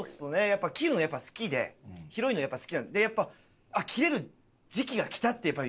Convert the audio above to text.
やっぱ切るのやっぱ好きで広いのやっぱ好きなんで。でやっぱ切れる時期が来たってやっぱ喜んで。